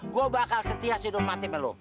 gue bakal setia hidung mati sama lo